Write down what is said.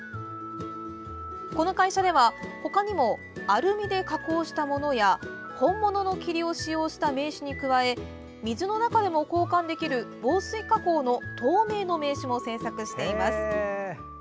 この会社では、ほかにもアルミで加工したものや本物の桐を使用した名刺に加え水の中でも交換できる防水加工の透明の名刺も制作しています。